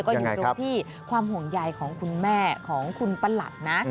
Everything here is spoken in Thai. ก็อยู่ตรงที่ความห่วงใยของคุณแม่ของคุณประหลัดนะ